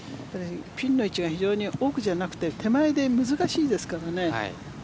ピンの位置が非常に奥じゃなくて手前で難しいですからね。